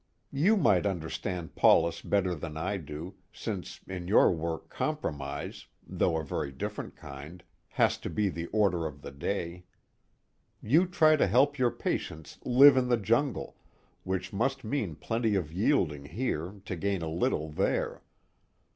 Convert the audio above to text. You might understand Paulus better than I do, since in your work compromise (though a very different kind) has to be the order of the day. You try to help your patients live in the jungle, which must mean plenty of yielding here to gain a little there.